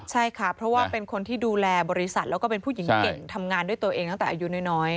ใช่ค่ะเพราะว่าเป็นคนที่ดูแลบริษัทแล้วก็เป็นผู้หญิงเก่งทำงานด้วยตัวเองตั้งแต่อายุน้อย